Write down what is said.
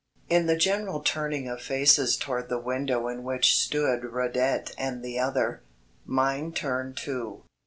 In the general turning of faces toward the window in which stood Radet and the other, mine turned too.